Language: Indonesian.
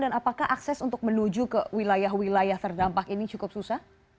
dan apakah akses untuk menuju ke wilayah wilayah terdampak ini cukup susah